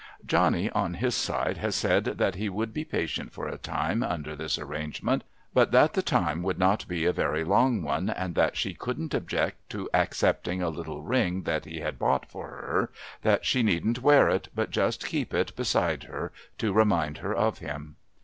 Johnny on his side had said that he would be patient for a time under this arrangement, but that the time would not be a very long one, and that she couldn't object to accepting a little ring that he had bought for her, that she needn't wear it, but just keep it beside her to remind her of him.